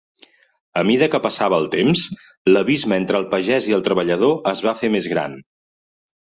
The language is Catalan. A mida que passava el temps, l'abisme entre el pagès i el treballador es va fer més gran.